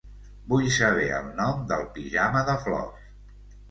Vull saber el nom del pijama de flors.